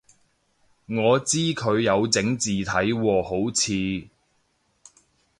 我知佢有整字體喎好似